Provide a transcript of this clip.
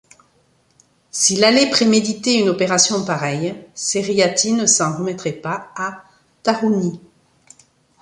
S’il allait préméditer une opération pareille, Seriati ne s’en remettrait pas à Tarhouni.